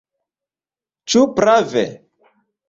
Ĉu prave?